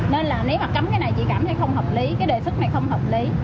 nên là nếu mà cấm cái này chị cảm thấy không hợp lý cái đề xuất này không hợp lý